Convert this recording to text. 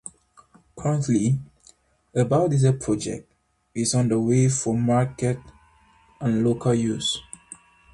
Currently, a BioDiesel project is under way for market and local use.